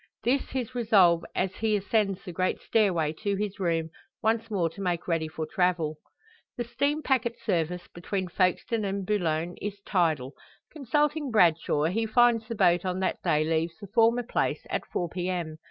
This his resolve as he ascends the great stairway to his room, once more to make ready for travel. The steam packet service between Folkestone and Boulogne is "tidal." Consulting Bradshaw, he finds the boat on that day leaves the former place at 4 p.m.